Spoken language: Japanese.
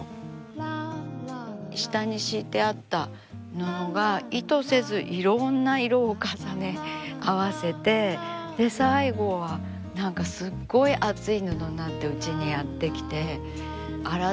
下に敷いてあった布が意図せずいろんな色を重ね合わせて最後は何かすっごい厚い布になってうちにやって来て洗って干して洗って干してを繰り返すうちに